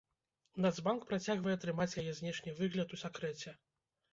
Нацбанк працягвае трымаць яе знешні выгляд у сакрэце.